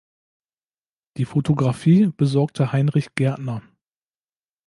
Die Photographie besorgte Heinrich Gärtner.